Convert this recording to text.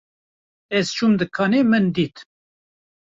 Ez çûm dikanê min dît